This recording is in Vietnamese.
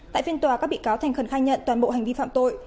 tại phiên tòa các bị cáo thành khẩn khai nhận toàn bộ hành vi phạm tội